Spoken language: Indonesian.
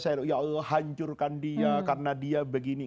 ya allah hancurkan dia karena dia begini